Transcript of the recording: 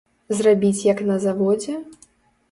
Зрабіць як на заводзе?